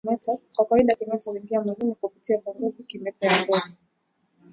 Kwa kawaida kimeta huingia mwilini kupitia kwa ngozi kimeta ya ngozi